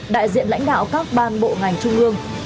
đại diện lãnh đạo các ban bộ ngành trung ương